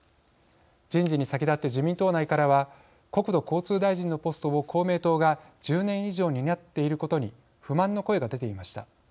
人事に先立って自民党内からは国土交通大臣のポストを公明党が１０年以上担っていることに不満の声が出ていました。